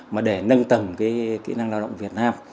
mà để nâng tầm cái kỹ năng lao động việt nam